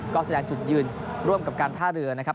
ก็แสดงจุดยืนร่วมกับการท่าเรือนะครับ